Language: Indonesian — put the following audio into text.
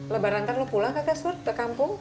lebaran kan lo pulang kakak sur ke kampung